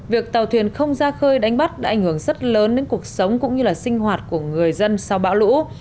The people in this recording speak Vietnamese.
việc tàu thuyền không ra khơi đánh bắt đã ảnh hưởng rất lớn đến cuộc sống cũng như là sinh hoạt của người dân sau bão lũ